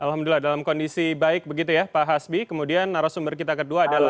alhamdulillah dalam kondisi baik begitu ya pak hasbi kemudian narasumber kita kedua adalah